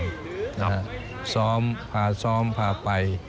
นะฮะซ้อมพาซ้อมพาไป